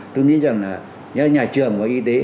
tôi nghĩ rằng là nhà trường và y tế